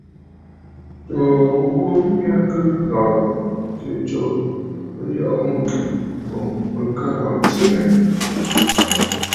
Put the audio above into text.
Tsuu mɨghurə mya kɨ nɔ̀rə̀, tsiʼì tsǒ bɨ yɔʼɔ mûŋgen, boŋ mɨ ka wàŋsə mmɛ̀.